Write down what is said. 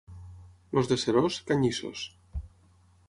Els de Seròs, canyissos.